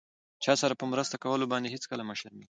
چاسره په مرسته کولو باندې هيڅکله مه شرميږم!